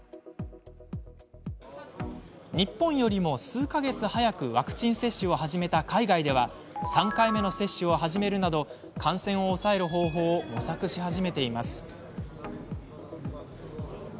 日本よりも数か月、早くワクチン接種を始めた海外では３回目の接種を始めるなど感染を抑える方法を模索し始めています。